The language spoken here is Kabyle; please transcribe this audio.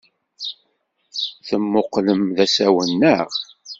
Temmuqqlem d asawen, naɣ?